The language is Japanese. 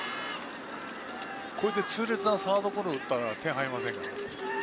これで痛烈なサードゴロ打ったら点は入りませんから。